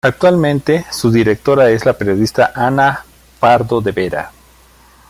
Actualmente, su directora es la periodista Ana Pardo de Vera.